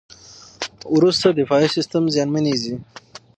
وروسته دفاعي سیستم زیانمنېږي.